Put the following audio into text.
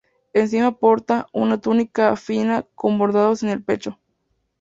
Encima porta una túnica fina con bordados en el pecho.